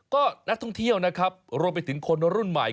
ก็นักท่องเที่ยวนะครับรวมไปถึงคนรุ่นใหม่